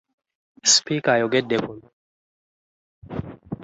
Sipika ayogedde ku mbeera ya ssegirinnya.